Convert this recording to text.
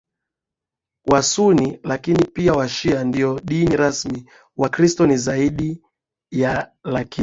Wasuni lakini pia Washia Ndiyo dini rasmi Wakristo ni zaidi ya lakini